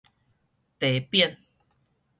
題匾